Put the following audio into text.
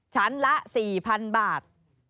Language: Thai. ชั้นละ๔๐๐๐บาท